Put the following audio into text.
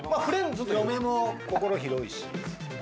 嫁も心広いし。